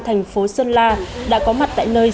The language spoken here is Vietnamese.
thành phố sơn la đã có mặt tại nơi